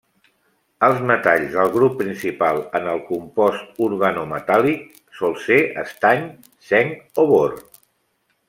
Els metalls del grup principal en el compost organometàl·lic sol ser estany, zinc, o bor.